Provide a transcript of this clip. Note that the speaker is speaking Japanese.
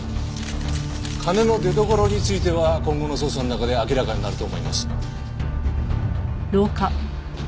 金の出どころについては今後の捜査の中で明らかになると思います。